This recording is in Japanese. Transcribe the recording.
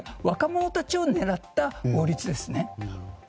若者たちを狙った法律ですね。